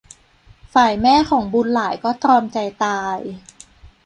ฝ่ายแม่ของบุญหลายก็ตรอมใจตาย